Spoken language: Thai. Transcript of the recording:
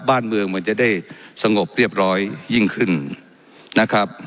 บ้านเมืองมันจะได้สงบเรียบร้อยยิ่งขึ้นนะครับ